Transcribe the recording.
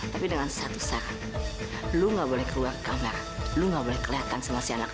tapi dengan satu saran lu nggak boleh keluar kamar lu nggak boleh kelihatan sama si anak